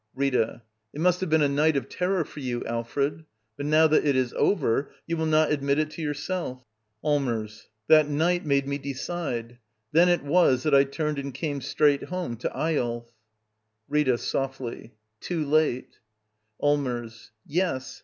. Rita. It must have been a night of terror for you, Alfred. But now that it is over, you will not admit it to yourself. Allmers. That night made me decide! Then It was that I turned and came straight home — to Eyolf! Rita. [Softly.] Too late. Allmers. Yes.